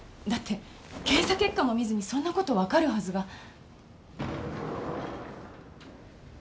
だって検査結果も見ずにそんなことわかるはずが。